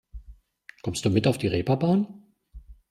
Kommst du mit auf die Reeperbahn?